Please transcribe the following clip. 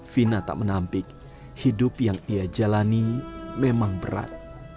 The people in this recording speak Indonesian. vina tak menampik hidup yang ia jalani memang berat